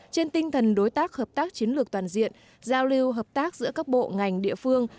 trên tinh thần đối tác hợp tác chiến lược toàn diện giao lưu hợp tác giữa các bộ ngành địa phương